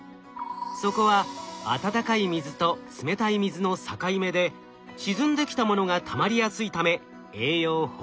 そこは温かい水と冷たい水の境目で沈んできたものがたまりやすいため栄養豊富な場所です。